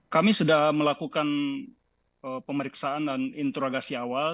kami sudah melakukan pemeriksaan dan interogasi awal